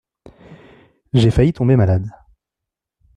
J'ai failli tomber malade.